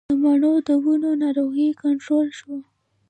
د مڼو د ونو ناروغي کنټرول شوه؟